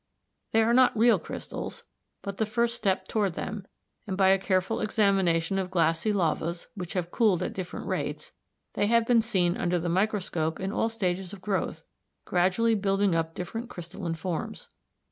They are not real crystals, but the first step toward them, and by a careful examination of glassy lavas which have cooled at different rates, they have been seen under the microscope in all stages of growth, gradually building up different crystalline forms.